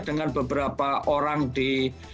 dengan beberapa orang di